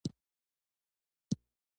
مکروبونه ځینې وختونه مصنوعي ډول یخ بسته کیږي.